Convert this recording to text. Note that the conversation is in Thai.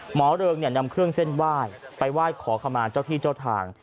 เริงนำเครื่องเส้นไหว้ไปไหว้ขอขมาเจ้าที่เจ้าทาง